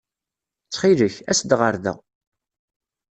Ttxil-k, as-d ɣer da.